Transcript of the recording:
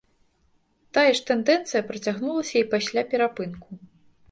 Такая ж тэндэнцыя працягнулася і пасля перапынку.